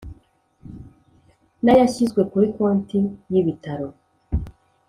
N ayashyizwe kuri konti y ibitaro